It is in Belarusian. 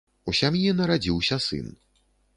У сям'і нарадзіўся сын.